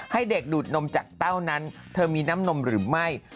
ให้เด็กดูดนมจากเต้านั้นเธอมีน้ำนมหรือไม่